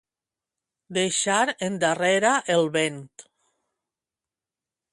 Deixar endarrere el vent.